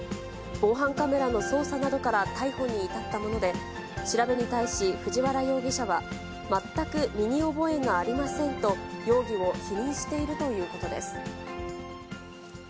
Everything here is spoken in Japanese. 防犯カメラの捜査などから逮捕に至ったもので、調べに対し、藤原容疑者は、全く身に覚えがありませんと、容疑を否認しているということです。